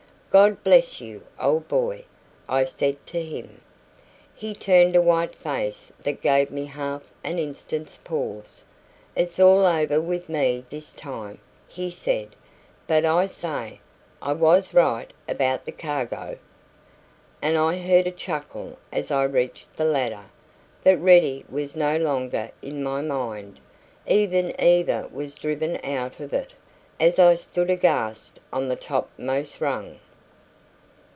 "God bless you, old boy!" I said to him. He turned a white face that gave me half an instant's pause. "It's all over with me this time," he said. "But, I say, I was right about the cargo?" And I heard a chuckle as I reached the ladder; but Ready was no longer in my mind; even Eva was driven out of it, as I stood aghast on the top most rung.